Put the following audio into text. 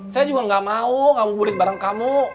saya juga gak mau ngabuburit bareng kamu